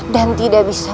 dan tidak bisa